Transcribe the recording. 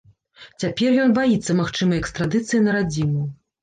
Цяпер ён баіцца магчымай экстрадыцыі на радзіму.